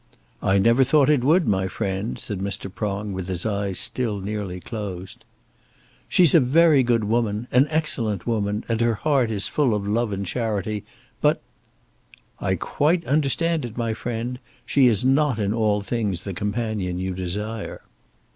"I never thought it would, my friend," said Mr. Prong, with his eyes still nearly closed. "She's a very good woman, an excellent woman, and her heart is full of love and charity. But " "I quite understand it, my friend. She is not in all things the companion you desire."